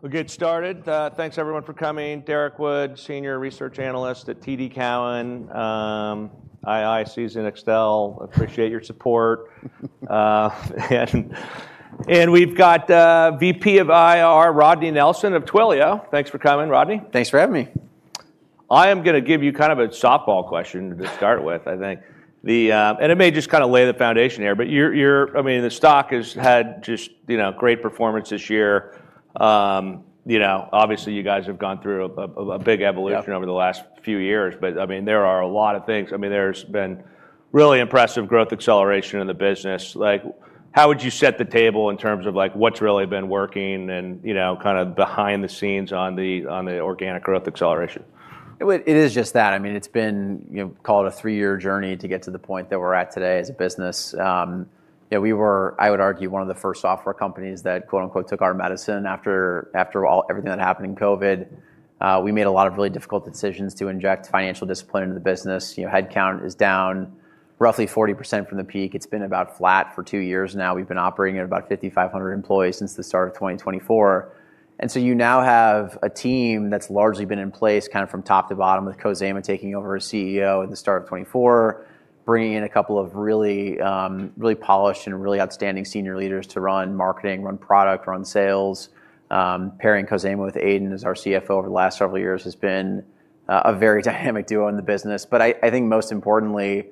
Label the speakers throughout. Speaker 1: We'll get started. Thanks, everyone, for coming. Derrick Wood, senior research analyst at TD Cowen. Susan [Extel], appreciate your support. We've got VP of IR, Rodney Nelson of Twilio. Thanks for coming, Rodney.
Speaker 2: Thanks for having me.
Speaker 1: I am going to give you a softball question to start with, I think. It may just lay the foundation here, but the stock has had just great performance this year. Obviously, you guys have gone through a big evolution.
Speaker 2: Yeah
Speaker 1: over the last few years, but there are a lot of things. There's been really impressive growth acceleration in the business. How would you set the table in terms of what's really been working and behind the scenes on the organic growth acceleration?
Speaker 2: It is just that. It's been called a three-year journey to get to the point that we're at today as a business. We were, I would argue, one of the first software companies that took our medicine after everything that happened in COVID. We made a lot of really difficult decisions to inject financial discipline into the business. Headcount is down roughly 40% from the peak. It's been about flat for two years now. We've been operating at about 5,500 employees since the start of 2024. You now have a team that's largely been in place from top to bottom, with Khozema taking over as CEO at the start of 2024, bringing in a couple of really polished and really outstanding senior leaders to run marketing, run product, and run sales. Pairing Khozema with Aidan as our CFO over the last several years has been a very dynamic duo in the business. I think most importantly,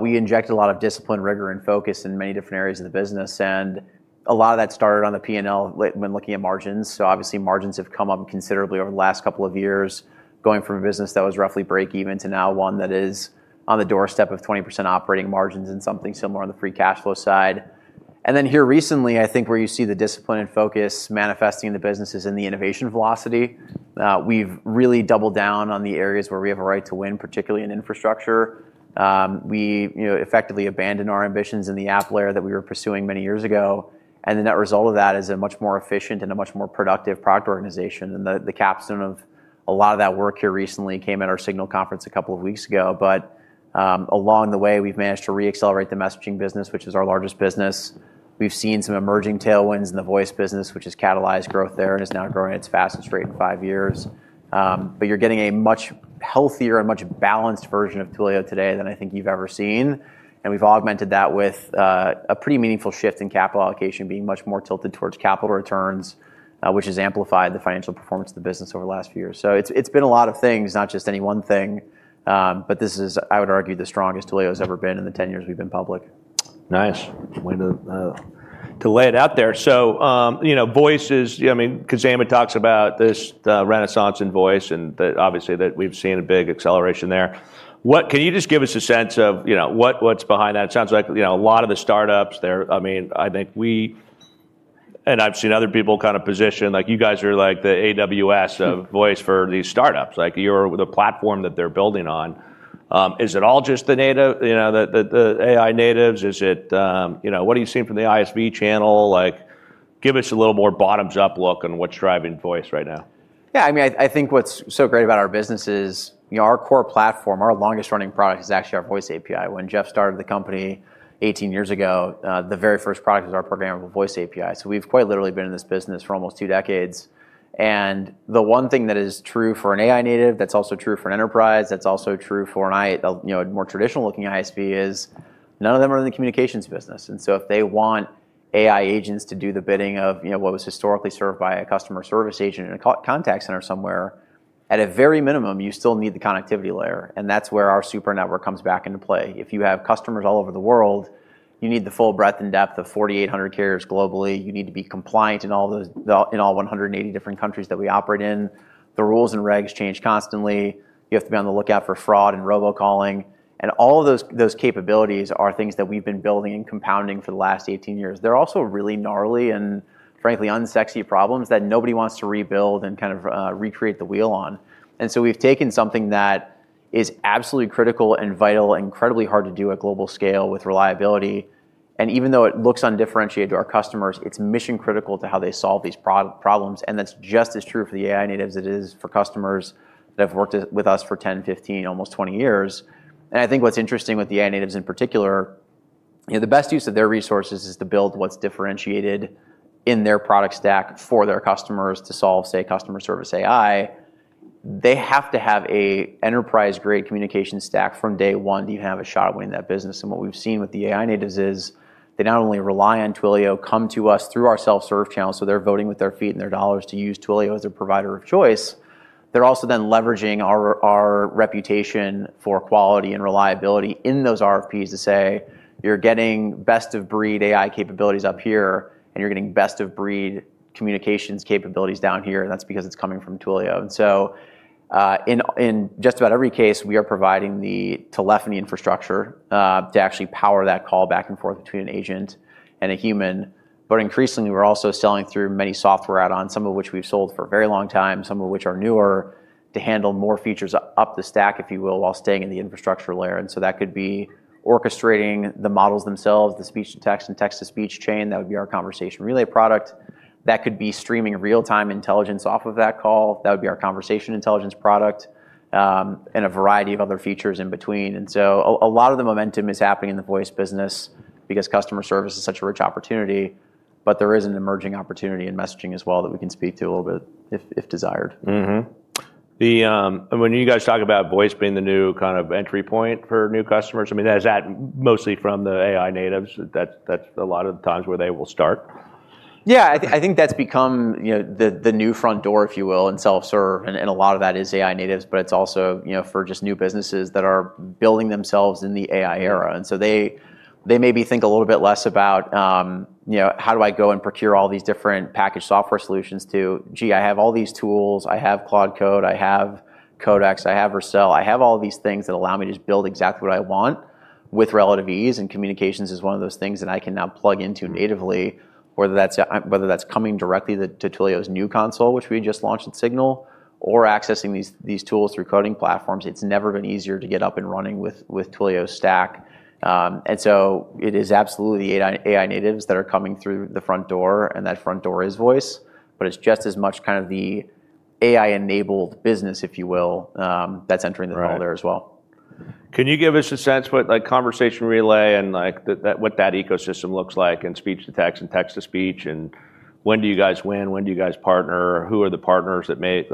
Speaker 2: we inject a lot of discipline, rigor, and focus into many different areas of the business, and a lot of that started on the P&L when looking at margins. Obviously, margins have come up considerably over the last couple of years, going from a business that was roughly break-even to now one that is on the doorstep of 20% operating margins and something similar on the free cash flow side. Here recently, I think where you see the discipline and focus manifesting in the business is in the innovation velocity. We've really doubled down on the areas where we have a right to win, particularly in infrastructure. We effectively abandoned our ambitions in the app layer that we were pursuing many years ago. The net result of that is a much more efficient and a much more productive product organization. The capstone of a lot of that work here recently came at our Signal conference a couple of weeks ago. Along the way, we've managed to re-accelerate the messaging business, which is our largest business. We've seen some emerging tailwinds in the voice business, which has catalyzed growth there and is now growing at its fastest rate in five years. You're getting a much healthier and much more balanced version of Twilio today than I think you've ever seen. We've augmented that with a pretty meaningful shift in capital allocation being much more tilted towards capital returns, which has amplified the financial performance of the business over the last few years. It's been a lot of things, not just any one thing. This is, I would argue, the strongest Twilio's ever been in the 10 years we've been public.
Speaker 1: Nice. Way to lay it out there. Khozema talks about this renaissance in voice and that obviously we've seen a big acceleration there. Can you just give us a sense of what's behind that? It sounds like a lot of the startups there, I think we, and I've seen other people position you guys as like the AWS of voice for these startups. You're the platform that they're building on. Is it all just the AI natives? What are you seeing from the ISV channel? Give us a little more of a bottom-up look at what's driving voice right now.
Speaker 2: I think what's so great about our business is our core platform; our longest-running product is actually our voice API. When Jeff started the company 18 years ago, the very first product was our programmable voice API. We've quite literally been in this business for almost two decades. The one thing that is true for an AI native, that's also true for an enterprise, and that's also true for a more traditional-looking ISV is that none of them are in the communications business. If they want AI agents to do the bidding of what was historically served by a customer service agent in a contact center somewhere, at a very minimum, you still need the connectivity layer, and that's where our Super Network comes back into play. If you have customers all over the world, you need the full breadth and depth of 4,800 carriers globally. You need to be compliant in all 180 different countries that we operate in. The rules and regs change constantly. You have to be on the lookout for fraud and robocalling. All of those capabilities are things that we've been building and compounding for the last 18 years. They're also really gnarly and, frankly, unsexy problems that nobody wants to rebuild and recreate the wheel on. We've taken something that is absolutely critical and vital and incredibly hard to do at a global scale with reliability. Even though it looks undifferentiated to our customers, it's mission-critical to how they solve these problems. That's just as true for the AI natives as it is for customers that have worked with us for 10, 15, almost 20 years. I think what's interesting with the AI natives in particular is that the best use of their resources is to build what's differentiated in their product stack for their customers to solve, say, customer service AI. They have to have an enterprise-grade communication stack from day one to even have a shot at winning that business. What we've seen with the AI natives is they not only rely on Twilio but also come to us through our self-serve channel, so they're voting with their feet and their dollars to use Twilio as a provider of choice. They're also then leveraging our reputation for quality and reliability in those RFPs to say, You're getting best-of-breed AI capabilities up here, and you're getting best-of-breed communications capabilities down here, and that's because it's coming from Twilio. In just about every case, we are providing the telephony infrastructure to actually power that call back and forth between an agent and a human. Increasingly, we're also selling through many software add-ons, some of which we've sold for a very long time, some of which are newer to handle more features up the stack, if you will, while staying in the infrastructure layer. That could be orchestrating the models themselves, the speech-to-text and text-to-speech chain. That would be our Customer Relay product. That could be streaming real-time intelligence off of that call. That would be our Customer Intelligence product. A variety of other features in between. A lot of the momentum is happening in the voice business. Because customer service is such a rich opportunity, but there is an emerging opportunity in messaging as well that we can speak to a little bit if desired.
Speaker 1: When you guys talk about voice being the new entry point for new customers, is that mostly from the AI natives? That's a lot of the times when they will start?
Speaker 2: Yeah. I think that's become the new front door, if you will, in self-serve, and a lot of that is AI natives, but it's also for just new businesses that are building themselves in the AI era. They maybe think a little bit less about, How do I go and procure all these different packaged software solutions? Gee, I have all these tools. I have Cloud Code, I have Codex, and I have Vercel. I have all these things that allow me to just build exactly what I want with relative ease, and communications is one of those things that I can now plug into natively, whether that's coming directly to Twilio's new console, which we just launched at Signal, or accessing these tools through coding platforms. It's never been easier to get up and running with Twilio's stack. It is absolutely the AI natives that are coming through the front door, and that front door is voice, but it's just as much the AI-enabled business, if you will, that's entering.
Speaker 1: Right
Speaker 2: The door is there as well.
Speaker 1: Can you give us a sense of what Customer Relay is and what that ecosystem looks like, and speech-to-text and text-to-speech, and when do you guys win? When do you guys partner? Who are the partners that may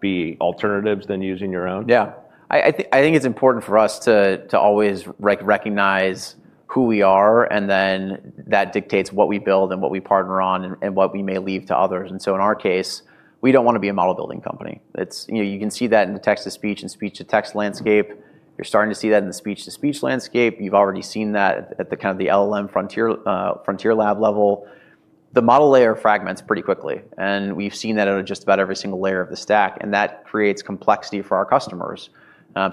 Speaker 1: be alternatives to using your own?
Speaker 2: Yeah. I think it's important for us to always recognize who we are, and then that dictates what we build and what we partner on and what we may leave to others. In our case, we don't want to be a model building company. You can see that in the text-to-speech and speech-to-text landscape. You're starting to see that in the speech-to-speech landscape. You've already seen that at the LLM frontier lab level. The model layer fragments pretty quickly, and we've seen that at just about every single layer of the stack, and that creates complexity for our customers.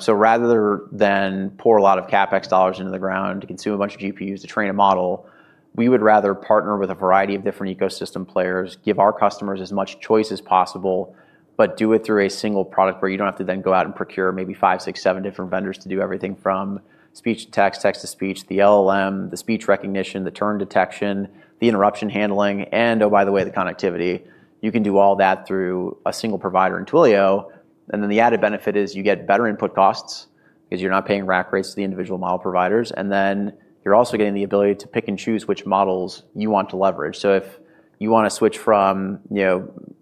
Speaker 2: Rather than pour a lot of CapEx dollars into the ground to consume a bunch of GPUs to train a model, we would rather partner with a variety of different ecosystem players, give our customers as much choice as possible, but do it through a single product where you don't have to then go out and procure maybe five, six, or seven different vendors to do everything from speech-to-text, text-to-speech, the LLM, the speech recognition, the term detection, the interruption handling, and oh by the way, the connectivity. You can do all that through a single provider in Twilio. The added benefit is you get better input costs because you're not paying rack rates to the individual model providers. You're also getting the ability to pick and choose which models you want to leverage. If you want to switch from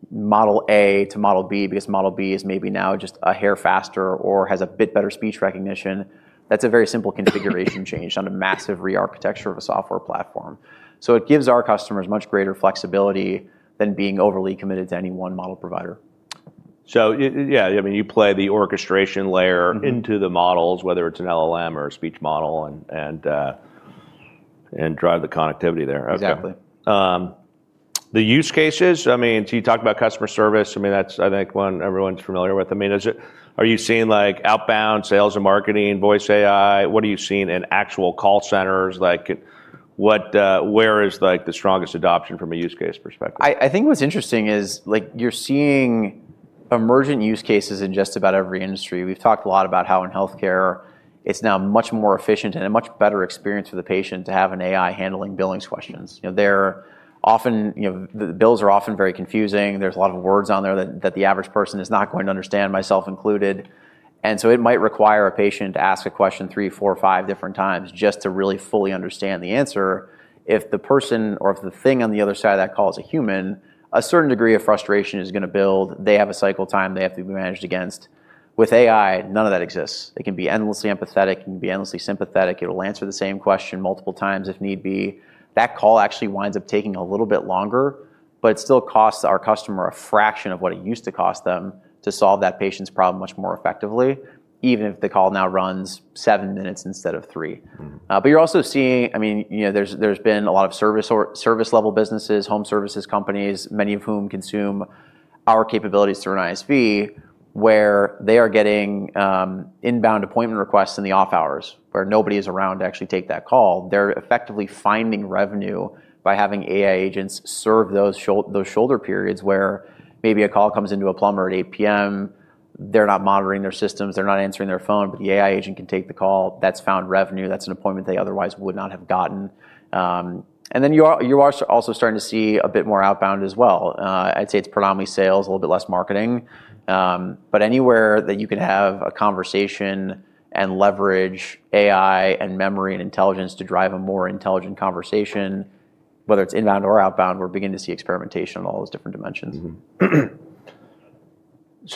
Speaker 2: model A to model B because model B is maybe now just a hair faster or has a bit better speech recognition, that's a very simple configuration change on a massive re-architecture of a software platform. It gives our customers much greater flexibility than being overly committed to any one model provider.
Speaker 1: Yeah. You play the orchestration layer into the models, whether it's an LLM or a speech model, and drive the connectivity there.
Speaker 2: Exactly.
Speaker 1: The use cases, you talk about customer service. That's, I think, one everyone's familiar with. Are you seeing outbound sales and marketing voice AI? What are you seeing in actual call centers? Where is the strongest adoption from a use case perspective?
Speaker 2: I think what's interesting is you're seeing emergent use cases in just about every industry. We've talked a lot about how in healthcare it's now much more efficient and a much better experience for the patient to have an AI handling billing questions. The bills are often very confusing. There's a lot of words on there that the average person is not going to understand, myself included. It might require a patient to ask a question three, four, five different times just to really fully understand the answer. If the person or if the thing on the other side of that call is a human, a certain degree of frustration is going to build. They have a cycle time they have to be managed against. With AI, none of that exists. It can be endlessly empathetic. It can be endlessly sympathetic. It'll answer the same question multiple times if need be. That call actually winds up taking a little bit longer, but it still costs our customer a fraction of what it used to cost them to solve that patient's problem much more effectively, even if the call now runs seven minutes instead of three. You're also seeing there have been a lot of service-level businesses and home service companies, many of whom consume our capabilities through an ISV, where they are getting inbound appointment requests in the off hours when nobody is around to actually take that call. They're effectively finding revenue by having AI agents serve those shoulder periods where maybe a call comes in to a plumber at 8:00P.M. They're not monitoring their systems, and they're not answering their phone, but the AI agent can take the call. That's found revenue. That's an appointment they otherwise would not have gotten. You are also starting to see a bit more outbound as well. I'd say it's predominantly sales, a little bit less marketing. Anywhere that you can have a conversation and leverage AI and memory and intelligence to drive a more intelligent conversation, whether it's inbound or outbound, we're beginning to see experimentation in all those different dimensions.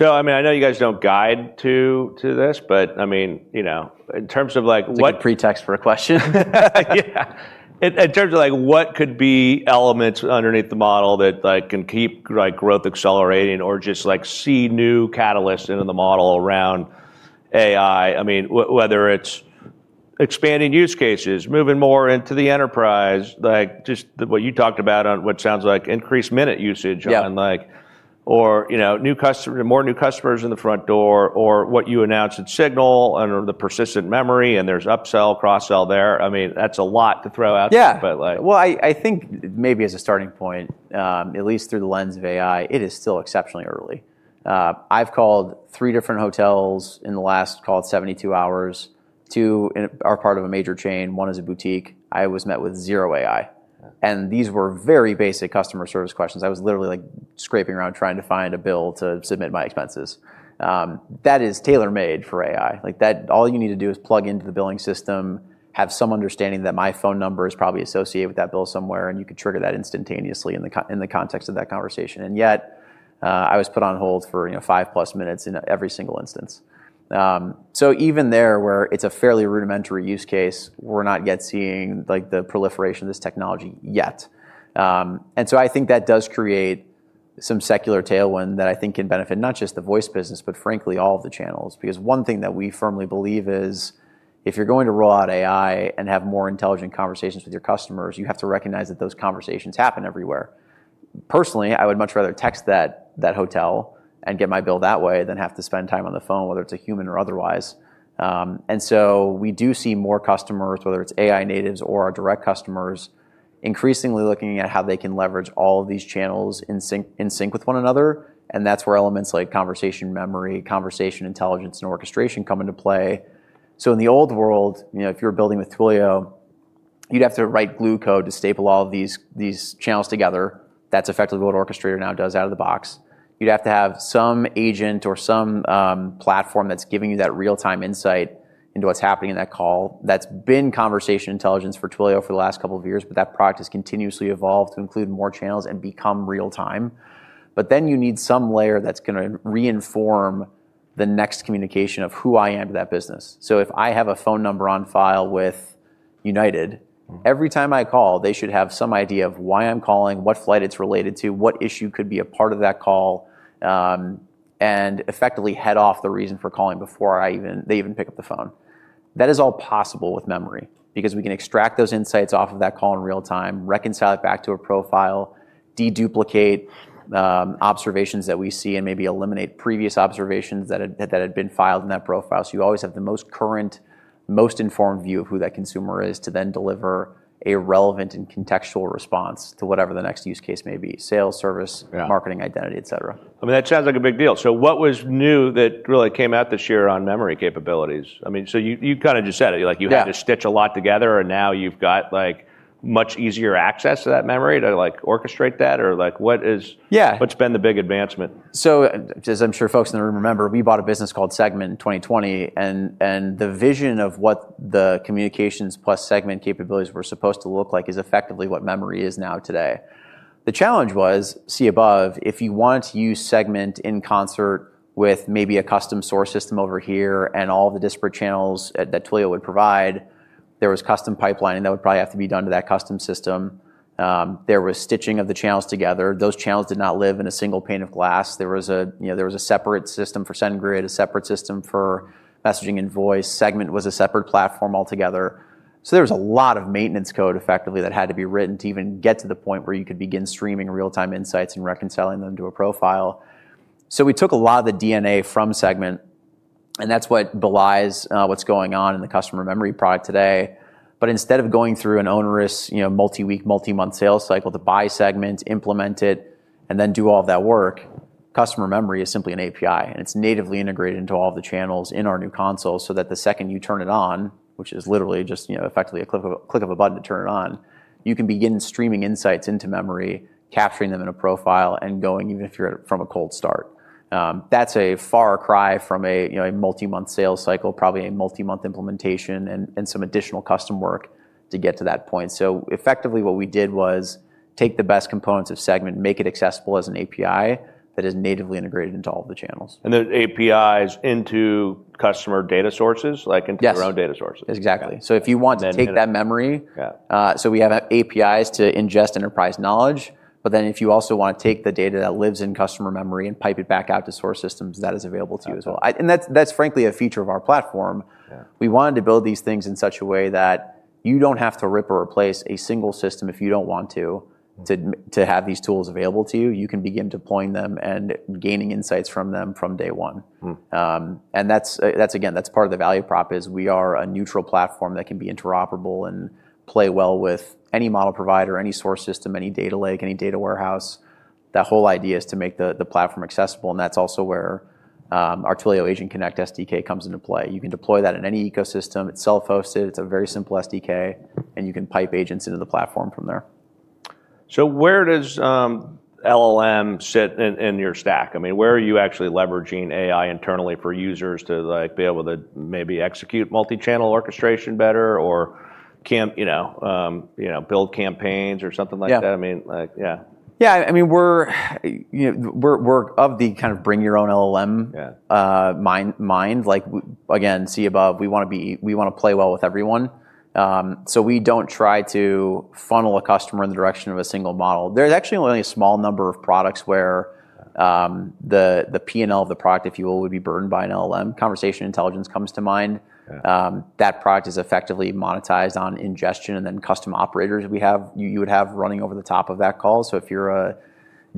Speaker 1: I know you guys don't guide to this.
Speaker 2: It's a good pretext for a question.
Speaker 1: Yeah. In terms of what could be elements underneath the model that can keep growth accelerating or just see new catalysts into the model around AI, whether it's expanding use cases, moving more into the enterprise, or just what you talked about on what sounds like increased minute usage.
Speaker 2: Yeah
Speaker 1: More new customers at the front door, or what you announced at Signal under the persistent memory, and there's upsell, cross-sell there. That's a lot to throw out there.
Speaker 2: Yeah. I think maybe as a starting point, at least through the lens of AI, it is still exceptionally early. I've called three different hotels in the last, call it, 72 hours. Two are part of a major chain. One is a boutique. I was met with zero AI. These were very basic customer service questions. I was literally scraping around trying to find a bill to submit my expenses. That is tailor-made for AI. All you need to do is plug into the billing system, have some understanding that my phone number is probably associated with that bill somewhere, and you can trigger that instantaneously in the context of that conversation. Yet, I was put on hold for +5 minutes in every single instance. Even there, where it's a fairly rudimentary use case, we're not yet seeing the proliferation of this technology yet. I think that does create some secular tailwind that I think can benefit not just the voice business but, frankly, all of the channels. Because one thing that we firmly believe is if you're going to roll out AI and have more intelligent conversations with your customers, you have to recognize that those conversations happen everywhere. Personally, I would much rather text that hotel and get my bill that way than have to spend time on the phone, whether it's a human or otherwise. We do see more customers, whether they're AI natives or our direct customers, increasingly looking at how they can leverage all of these channels in sync with one another, and that's where elements like Customer Memory, Customer Intelligence, and orchestration come into play. In the old world, if you were building with Twilio, you'd have to write glue code to staple all of these channels together. That's effectively what Orchestrator now does out of the box. You'd have to have some agent or some platform that's giving you that real-time insight into what's happening in that call. That's been Customer Intelligence for Twilio for the last couple of years, but that product has continuously evolved to include more channels and become real-time. You need some layer that's going to reinform the next communication of who I am to that business. If I have a phone number on file with United, every time I call, they should have some idea of why I'm calling, what flight it's related to, what issue could be a part of that call, and effectively head off the reason for calling before they even pick up the phone. That is all possible with Memory because we can extract those insights off of that call in real time, reconcile it back to a profile, de-duplicate observations that we see, and maybe eliminate previous observations that had been filed in that profile. You always have the most current, most informed view of who that consumer is to then deliver a relevant and contextual response to whatever the next use case may be, sales, or service.
Speaker 1: Yeah
Speaker 2: marketing, identity, et cetera.
Speaker 1: That sounds like a big deal. What was new that really came out this year on memory capabilities? You just said it.
Speaker 2: Yeah
Speaker 1: to stitch a lot together, and now you've got much easier access to that memory to orchestrate that?
Speaker 2: Yeah
Speaker 1: What's been the big advancement?
Speaker 2: As I'm sure folks in the room remember, we bought a business called Segment in 2020, and the vision of what the communications plus Segment capabilities were supposed to look like is effectively what Memory is now today. The challenge was, see above, if you wanted to use Segment in concert with maybe a custom source system over here and all the disparate channels that Twilio would provide, there was custom pipelining that would probably have to be done to that custom system. There was stitching of the channels together. Those channels did not live in a single pane of glass. There was a separate system for SendGrid and a separate system for messaging and voice. Segment was a separate platform altogether. There was a lot of maintenance code, effectively, that had to be written to even get to the point where you could begin streaming real-time insights and reconciling them to a profile. We took a lot of the DNA from Segment, and that's what belies what's going on in the Customer Memory product today. Instead of going through an onerous multi-week, multi-month sales cycle to buy Segment, implement it, and then do all of that work, Customer Memory is simply an API, and it's natively integrated into all the channels in our new console, so that the second you turn it on, which is literally just effectively a click of a button to turn it on, you can begin streaming insights into Memory, capturing them in a profile, and going, even if you're from a cold start. That's a far cry from a multi-month sales cycle, probably a multi-month implementation, and some additional custom work to get to that point. Effectively what we did was take the best components of Segment and make it accessible as an API that is natively integrated into all of the channels.
Speaker 1: The APIs into customer data sources.
Speaker 2: Yes
Speaker 1: their own data sources.
Speaker 2: Exactly. if you want to take that memory—
Speaker 1: Yeah
Speaker 2: We have APIs to ingest enterprise knowledge, but then if you also want to take the data that lives in Customer Memory and pipe it back out to source systems, that is available to you as well.
Speaker 1: That's awesome.
Speaker 2: That's frankly a feature of our platform.
Speaker 1: Yeah.
Speaker 2: We wanted to build these things in such a way that you don't have to rip or replace a single system if you don't want to have these tools available to you. You can begin deploying them and gaining insights from them from day one. Again, that's part of the value prop: we are a neutral platform that can be interoperable and play well with any model provider, any source system, any data lake, and any data warehouse. That whole idea is to make the platform accessible; that's also where our Twilio Agent Connect SDK comes into play. You can deploy that in any ecosystem. It's self-hosted; it's a very simple SDK. You can pipe agents into the platform from there.
Speaker 1: Where does LLM sit in your stack? Where are you actually leveraging AI internally for users to be able to maybe execute multi-channel orchestration better or build campaigns or something like that?
Speaker 2: Yeah.
Speaker 1: Yeah.
Speaker 2: Yeah. We're of the bring-your-own-LLM-
Speaker 1: Yeah
Speaker 2: Mind you, we want to play well with everyone. We don't try to funnel a customer in the direction of a single model. There's actually only a small number of products where the P&L of the product, if you will, would be burned by an LLM. Customer intelligence comes to mind.
Speaker 1: Yeah.
Speaker 2: That product is effectively monetized on ingestion, and then custom operators would have running over the top of that call. If you're a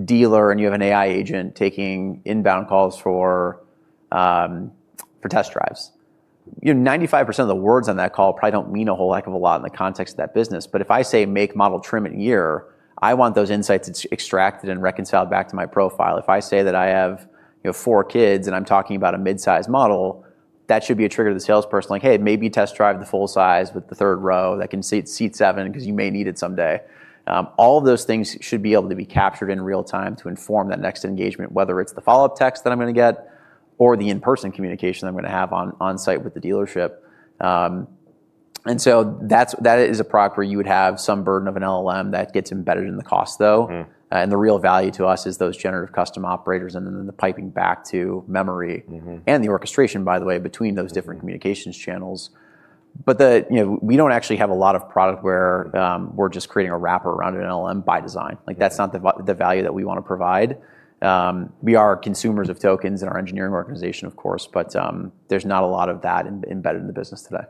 Speaker 2: dealer and you have an AI agent taking inbound calls for test drives, 95% of the words on that call probably don't mean a whole heck of a lot in the context of that business. If I say make, model, trim, and year, I want those insights extracted and reconciled back to my profile. If I say that I have four kids, I'm talking about a mid-size model. That should be a trigger to the salesperson. Like, hey, maybe test drive the full size with the third row that can seat seven because you may need it someday. All of those things should be able to be captured in real time to inform that next engagement, whether it's the follow-up text that I'm going to get or the in-person communication I'm going to have on-site with the dealership. That is a product where you would have some burden of an LLM that gets embedded in the cost, though. The real value to us is those generative custom operators and then the piping back to memory. The orchestration, by the way, between those different communications channels. We don't actually have a lot of product where we're just creating a wrapper around an LLM by design. Like that's not the value that we want to provide. We are consumers of tokens in our engineering organization, of course, but there's not a lot of that embedded in the business today.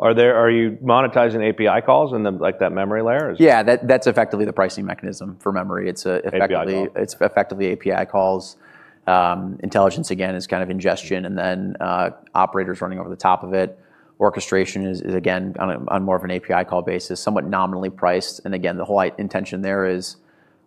Speaker 1: Are you monetizing API calls in that memory layer?
Speaker 2: Yeah, that's effectively the pricing mechanism for Memory.
Speaker 1: API calls
Speaker 2: It's effectively API calls. Intelligence, again, is kind of ingestion and then operators running over the top of it. Orchestration is again on more of an API call basis, somewhat nominally priced. Again, the whole intention there is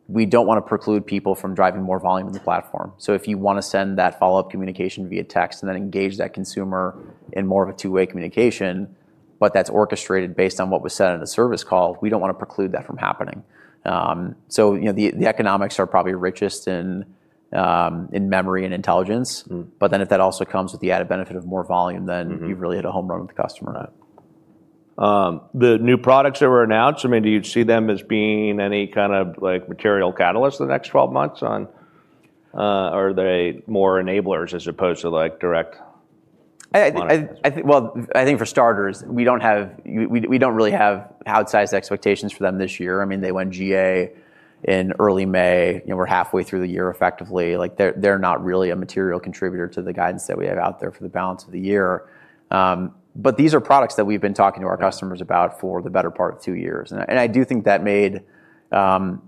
Speaker 2: we don't want to preclude people from driving more volume on the platform. If you want to send that follow-up communication via text and then engage that consumer in more of a two-way communication, but that's orchestrated based on what was said in a service call, we don't want to preclude that from happening. The economics are probably richest in memory and intelligence. If that also comes with the added benefit of more volume. You've really hit a home run with the customer.
Speaker 1: The new products that were announced, I mean, do you see them as being any kind of material catalyst in the next 12 months? Or are they more enablers as opposed to direct monetizers?
Speaker 2: Well, I think for starters, we don't really have outsized expectations for them this year. I mean, they went GA in early May. We're halfway through the year, effectively. They're not really a material contributor to the guidance that we have out there for the balance of the year. These are products that we've been talking to our customers about for the better part of two years. I do think that made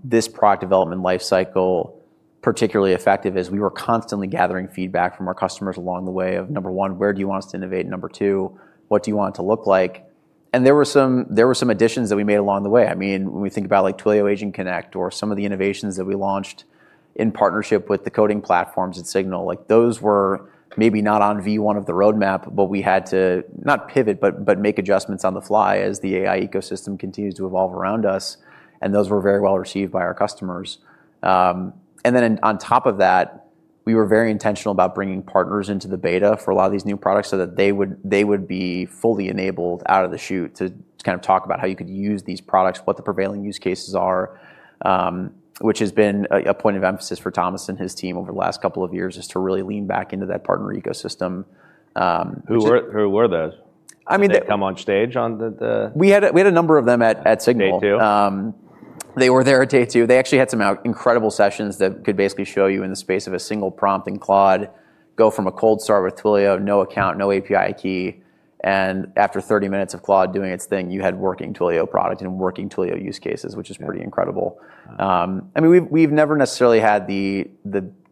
Speaker 2: this product development life cycle particularly effective, as we were constantly gathering feedback from our customers along the way of, number one, where do you want us to innovate? Number two, what do you want it to look like? There were some additions that we made along the way. I mean, when we think about Twilio Agent Connect or some of the innovations that we launched in partnership with the coding platforms at Signal, like those were maybe not on V1 of the roadmap, but we had to, not pivot, but make adjustments on the fly as the AI ecosystem continues to evolve around us, and those were very well received by our customers. On top of that, we were very intentional about bringing partners into the beta for a lot of these new products so that they would be fully enabled out of the chute to kind of talk about how you could use these products, what the prevailing use cases are, which has been a point of emphasis for Thomas and his team over the last couple of years, is to really lean back into that partner ecosystem.
Speaker 1: Who were those?
Speaker 2: I mean—
Speaker 1: Did they come on stage on the...?
Speaker 2: We had a number of them at Signal.
Speaker 1: Day two?
Speaker 2: They were there on day two. They actually had some incredible sessions that could basically show you, in the space of a single prompt in Claude, going from a cold start with Twilio, no account, no API key, and after 30 minutes of Claude doing its thing, you had working Twilio products and working Twilio use cases, which is pretty incredible. We've never necessarily had the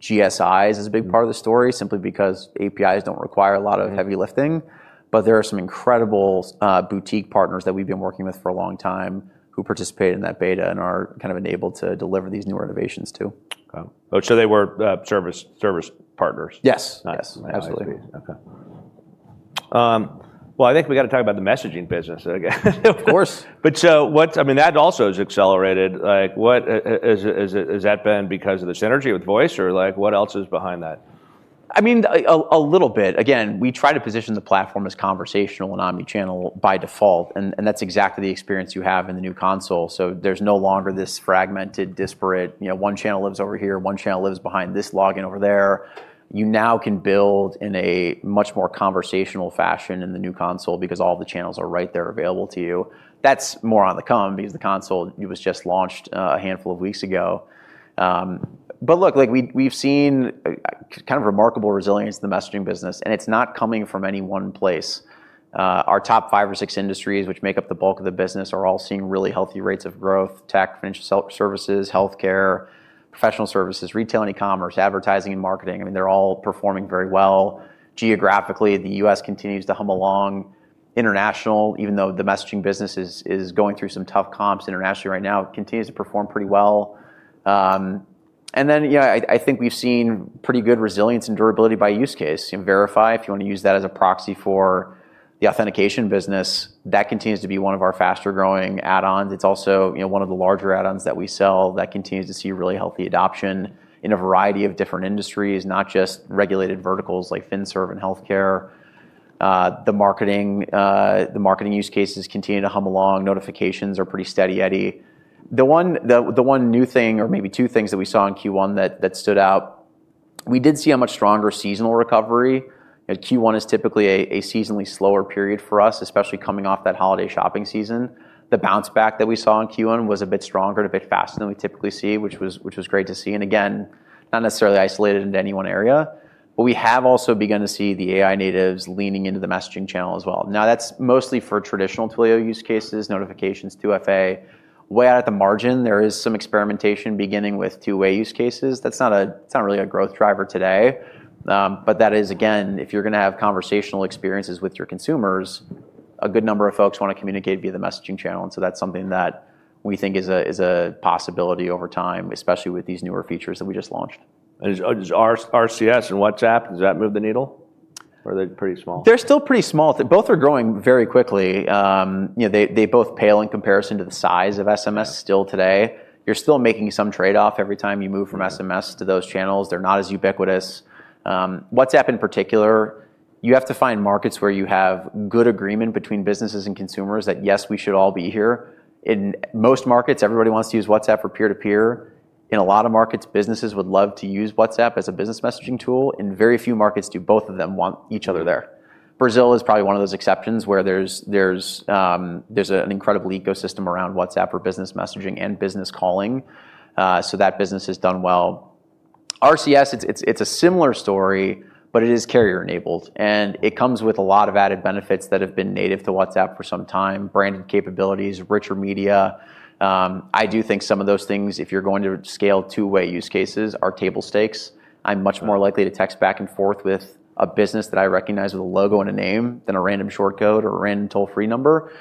Speaker 2: GSIs as a big part of the story, simply because APIs don't require a lot of heavy lifting. There are some incredible boutique partners that we've been working with for a long time who participate in that beta and are kind of enabled to deliver these new innovations, too.
Speaker 1: Okay. They were service partners?
Speaker 2: Yes.
Speaker 1: Nice.
Speaker 2: Yes, absolutely.
Speaker 1: Okay. Well, I think we've got to talk about the messaging business again.
Speaker 2: Of course.
Speaker 1: I mean, that also has accelerated. Has that been because of the synergy with voice, or what else is behind that?
Speaker 2: I mean, a little bit. We try to position the platform as conversational and omnichannel by default, and that's exactly the experience you have in the new console. There's no longer this fragmented, disparate, one-channel lives over here, one channel lives behind this login over there. You now can build in a much more conversational fashion in the new console because all the channels are right there available to you. That's more on the come because the console was just launched a handful of weeks ago. Look, we've seen kind of remarkable resilience in the messaging business, and it's not coming from any one place. Our top five or six industries, which make up the bulk of the business, are all seeing really healthy rates of growth. Tech, financial services, healthcare, professional services, retail and e-commerce, advertising, and marketing. I mean, they're all performing very well. Geographically, the U.S. continues to hum along. International, even though the messaging business is going through some tough comps internationally right now, continues to perform pretty well. Then, I think we've seen pretty good resilience and durability by use case. Verify, if you want to use that as a proxy for the authentication business, that continues to be one of our faster-growing add-ons. It's also one of the larger add-ons that we sell that continues to see really healthy adoption in a variety of different industries, not just regulated verticals like FinServe and healthcare. The marketing use cases continue to hum along. Notifications are pretty steady. The one new thing, or maybe two things, that we saw in Q1 that stood out, we did see a much stronger seasonal recovery. Q1 is typically a seasonally slower period for us, especially coming off that holiday shopping season. The bounce back that we saw in Q1 was a bit stronger and a bit faster than we typically see, which was great to see. Again, not necessarily isolated into any one area. We have also begun to see the AI natives leaning into the messaging channel as well. Now, that's mostly for traditional Twilio use cases, notifications, and 2FA. Way out at the margin, there is some experimentation beginning with two-way use cases. That's not really a growth driver today. That is, again, if you're going to have conversational experiences with your consumers. A good number of folks want to communicate via the messaging channel, and so that's something that we think is a possibility over time, especially with these newer features that we just launched.
Speaker 1: Does RCS and WhatsApp, do they move the needle, or are they pretty small?
Speaker 2: They're still pretty small. Both are growing very quickly. They both pale in comparison to the size of SMS still today. You're still making some trade-off every time you move from SMS to those channels. They're not as ubiquitous. WhatsApp, in particular, you have to find markets where you have good agreement between businesses and consumers that yes, we should all be here. In most markets, everybody wants to use WhatsApp for peer-to-peer. In a lot of markets, businesses would love to use WhatsApp as a business messaging tool. In very few markets do both of them want each other there. Brazil is probably one of those exceptions where there's an incredible ecosystem around WhatsApp for business messaging and business calling. That business has done well. RCS, it's a similar story, but it is carrier-enabled, and it comes with a lot of added benefits that have been native to WhatsApp for some time: branding capabilities, richer media. I do think some of those things, if you're going to scale two-way use cases, are table stakes. I'm much more likely to text back and forth with a business that I recognize with a logo and a name than a random short code or a random toll-free number.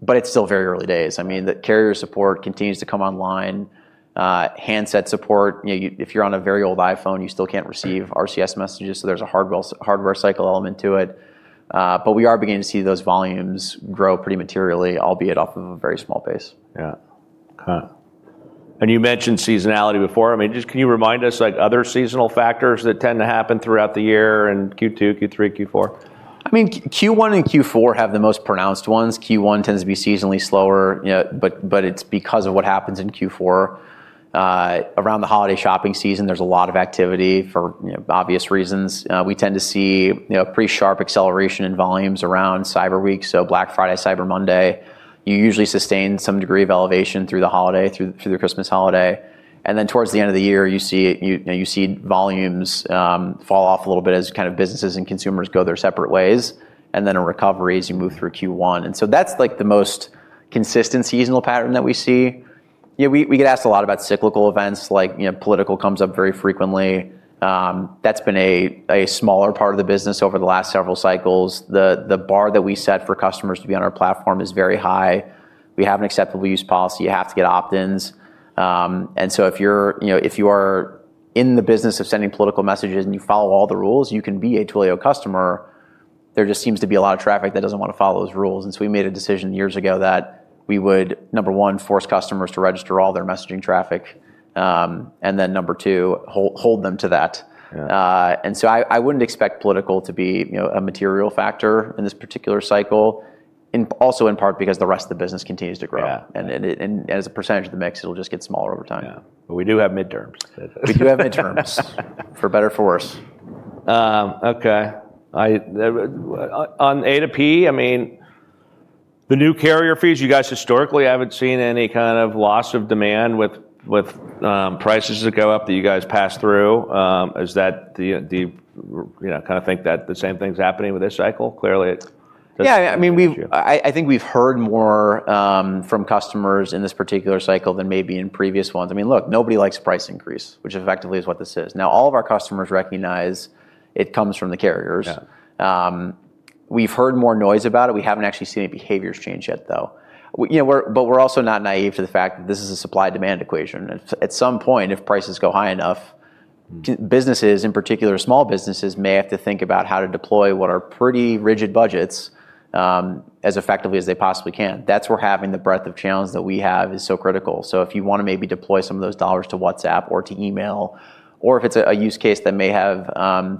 Speaker 2: It's still very early days. The carrier support continues to come online. Handset support: if you're on a very old iPhone, you still can't receive RCS messages, so there's a hardware cycle element to it. We are beginning to see those volumes grow pretty materially, albeit off of a very small base.
Speaker 1: Yeah. You mentioned seasonality before. Can you remind us of other seasonal factors that tend to happen throughout the year in Q2, Q3, and Q4?
Speaker 2: Q1 and Q4 have the most pronounced ones. Q1 tends to be seasonally slower, but it's because of what happens in Q4. Around the holiday shopping season, there's a lot of activity for obvious reasons. We tend to see pretty sharp acceleration in volumes around Cyber Week, so Black Friday, Cyber Monday. You usually sustain some degree of elevation through the Christmas holiday, and then towards the end of the year, you see volumes fall off a little bit as businesses and consumers go their separate ways, and then a recovery as you move through Q1. That's the most consistent seasonal pattern that we see. We get asked a lot about cyclical events. Politics comes up very frequently. That's been a smaller part of the business over the last several cycles. The bar that we set for customers to be on our platform is very high. We have an acceptable use policy. You have to get opt-ins. If you are in the business of sending political messages and you follow all the rules, you can be a Twilio customer. There just seems to be a lot of traffic that doesn't want to follow those rules. We made a decision years ago that we would, number one, force customers to register all their messaging traffic, and then number two, hold them to that.
Speaker 1: Yeah.
Speaker 2: I wouldn't expect politics to be a material factor in this particular cycle. In part because the rest of the business continues to grow.
Speaker 1: Yeah.
Speaker 2: As a percent of the mix, it'll just get smaller over time.
Speaker 1: Yeah. We do have midterms.
Speaker 2: We do have midterms, for better or for worse.
Speaker 1: Okay. On A2P, the new carrier fees, you guys historically haven't seen any kind of loss of demand with prices that go up that you guys pass through. Do you think that the same thing's happening with this cycle? Clearly, it's an issue.
Speaker 2: Yeah. I think we've heard more from customers in this particular cycle than maybe in previous ones. Look, nobody likes a price increase, which effectively is what this is. Now, all of our customers recognize it comes from the carriers.
Speaker 1: Yeah.
Speaker 2: We've heard more noise about it. We haven't actually seen any behaviors change yet, though. We're also not naive to the fact that this is a supply/demand equation, and at some point, if prices go high enough, businesses, in particular small businesses, may have to think about how to deploy what are pretty rigid budgets as effectively as they possibly can. That's where having the breadth of channels that we have is so critical. If you want to maybe deploy some of those dollars to WhatsApp or to email, or if it's a use case that may have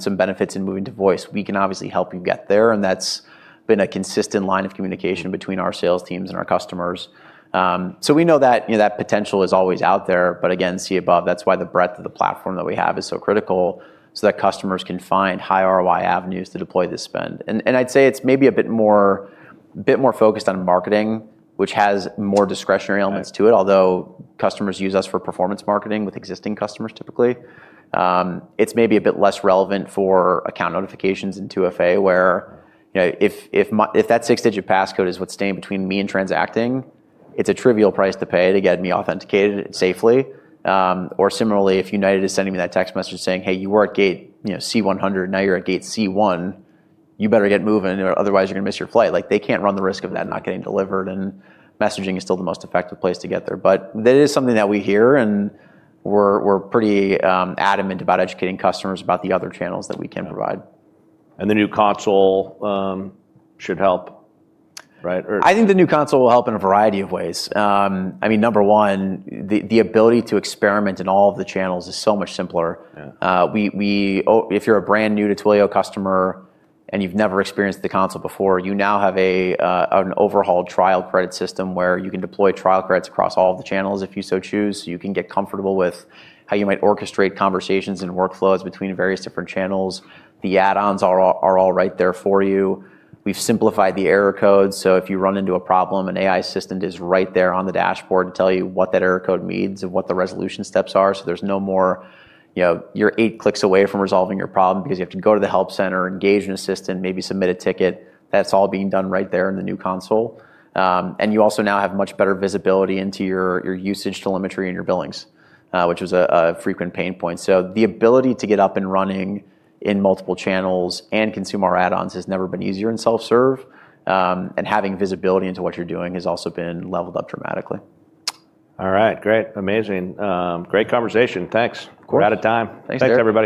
Speaker 2: some benefits in moving to voice, we can obviously help you get there, and that's been a consistent line of communication between our sales teams and our customers. We know that potential is always out there, but again, see above. That's why the breadth of the platform that we have is so critical, so that customers can find high ROI avenues to deploy this spend. I'd say it's maybe a bit more focused on marketing, which has more discretionary elements to it. Although customers use us for performance marketing with existing customers, typically. It's maybe a bit less relevant for account notifications in 2FA, where if that six-digit passcode is what's standing between me and transacting, it's a trivial price to pay to get me authenticated safely. Similarly, if United is sending me that text message saying, Hey, you were at gate C100. Now you're at gate C1. You better get moving, or otherwise, you're going to miss your flight. They can't run the risk of that not getting delivered, and messaging is still the most effective place to get there. That is something that we hear, and we're pretty adamant about educating customers about the other channels that we can provide.
Speaker 1: The new console should help, right?
Speaker 2: I think the new console will help in a variety of ways. Number one, the ability to experiment in all of the channels is so much simpler.
Speaker 1: Yeah.
Speaker 2: If you're a brand new Twilio customer and you've never experienced the console before, you now have an overhauled trial credit system where you can deploy trial credits across all of the channels if you so choose. You can get comfortable with how you might orchestrate conversations and workflows between various different channels. The add-ons are all right there for you. We've simplified the error codes; if you run into a problem, an AI assistant is right there on the dashboard to tell you what that error code means and what the resolution steps are. There's no more; you're eight clicks away from resolving your problem because you have to go to the help center, engage an assistant, and maybe submit a ticket. That's all being done right there in the new console. You also now have much better visibility into your usage telemetry and your billings, which was a frequent pain point. The ability to get up and running in multiple channels and consume our add-ons has never been easier in self-serve, and having visibility into what you're doing has also been leveled up dramatically.
Speaker 1: All right. Great. Amazing. Great conversation. Thanks.
Speaker 2: Of course.
Speaker 1: We're out of time.
Speaker 2: Thanks, Derrick Wood.
Speaker 1: Thanks, everybody.